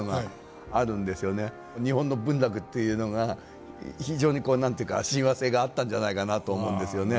日本の文楽というのが非常にこう何ていうか親和性があったんじゃないかなと思うんですよね。